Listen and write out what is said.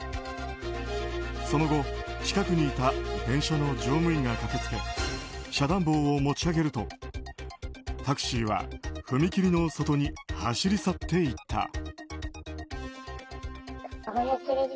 その後、近くにいた電車の乗務員が駆けつけ遮断棒を持ち上げるとタクシーは踏切の外に走り去っていった。